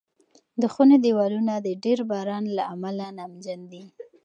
د خونې دېوالونه د ډېر باران له امله نمجن دي.